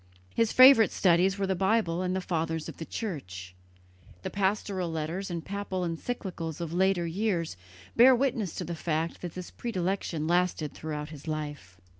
His favourite studies were the Bible and the Fathers of the Church. The pastoral letters and papal encyclicals of later years bear witness to the fact that this predilection lasted throughout his life.